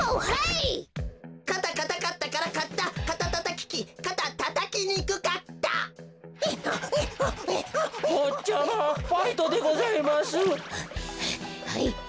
はいはい。